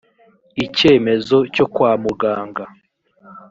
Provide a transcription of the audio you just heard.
icyemezo cyo kwamuganga.